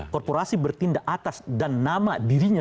korporasi bertindak atas dan nama dirinya